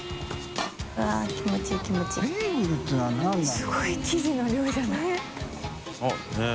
すごい生地の量じゃない？ねぇ。